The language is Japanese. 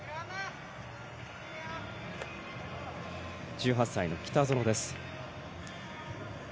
１８歳の北園です。